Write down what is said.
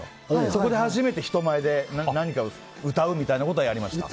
そこで初めて人前で何かを歌うみたいなことはやりました。